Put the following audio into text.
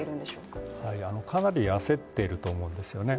かなり焦っていると思うんですよね。